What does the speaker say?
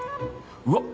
うわっ！